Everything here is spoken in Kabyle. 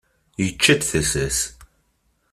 Yečča-d tasa-s.